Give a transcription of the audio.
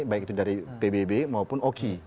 baik itu dari pbb maupun oki